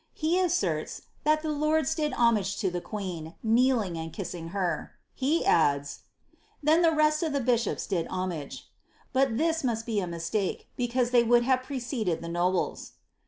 He asserts that the lords did homage to the queen, kneeling and kissing her. He adds, *^then the rest of the bishops did homage," but this must be a mistake, because they would have preceded the nobles.